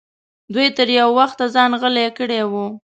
دوی تر یو وخته ځان غلی کړی و.